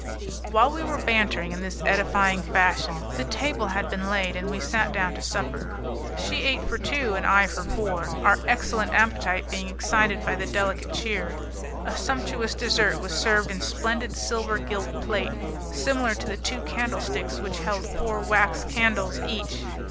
While we were bantering in this edifying fashion, the table had been laid, and we sat down to supper. She ate for two and I for four, our excellent appetite being excited by the delicate cheer. A sumptuous dessert was served in splendid silver gilt plate, similar to the two candlesticks which held four wax candles each.